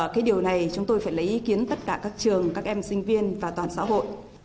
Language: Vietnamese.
cái điều này chúng tôi phải lấy ý kiến tất cả các trường các em sinh viên và toàn xã hội